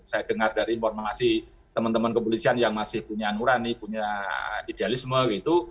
saya dengar dari informasi teman teman kepolisian yang masih punya nurani punya idealisme gitu